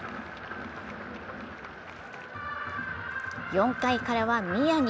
４回からは宮城。